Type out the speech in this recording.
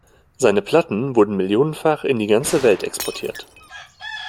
Seine Platten wurden millionenfach in die ganze Welt exportiert.